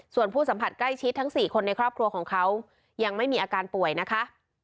ส่วนผู้สัมผัสใกล้ชิดทั้ง๔คนในครอบครัวของเขายังไม่มีอาการป่วยนะคะ